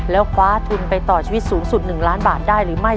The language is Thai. แล้วคว้าทุนไปต่อชีวิตสูงสุด๑ล้านบาทได้หรือไม่